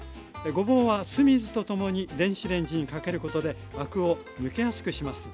ごぼうは酢水とともに電子レンジにかけることでアクを抜けやすくします。